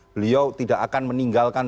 beliau tidak akan meninggalkan